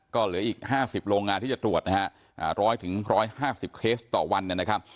ก็เหลืออีก๕๐โรงงานที่จะตรวจนะฮะ๑๐๐๑๕๐เคสต่อวันนะครับ